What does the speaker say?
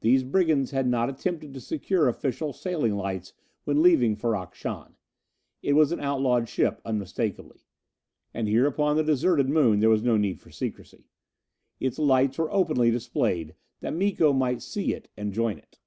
These brigands had not attempted to secure official sailing lights when leaving Ferrok Shahn. It was an outlawed ship, unmistakably. And here upon the deserted Moon there was no need for secrecy. Its lights were openly displayed, that Miko might see it and join it.